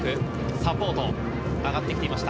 サポート、上がってきていました。